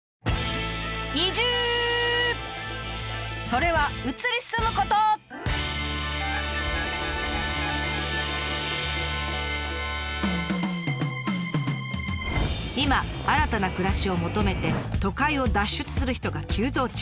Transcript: それは今新たな暮らしを求めて都会を脱出する人が急増中。